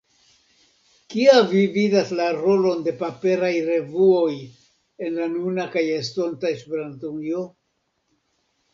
Kia vi vidas la rolon de paperaj revuoj en la nuna kaj estonta Esperantujo?